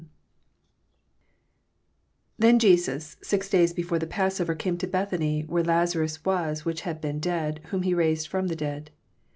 1 Then Jesus six days before the passover eame to Bethany, where Las mruB was which had been dead, whom he raised from the dead.